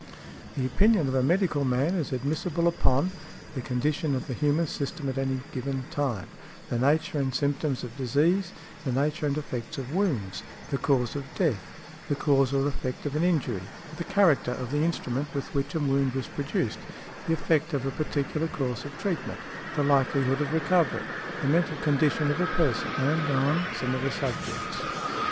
The opinion of a medical man is admissible upon, the condition of the human system at any given time; the nature and symptoms of disease; the nature and effects of wounds; the cause of death; the cause or effect of an injury; the character of the instrument with which a wound was produced; the effect of a particular course of treatment; the likelihood of recovery; the mental condition of a person; and on similar subjects.